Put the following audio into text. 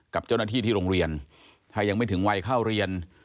กับเจ้าหน้าที่ที่โรงเรียนถ้ายังไม่ถึงวัยเข้าเรียน